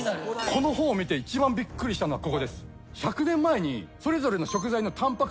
この本を見て一番びっくりしたのはここです。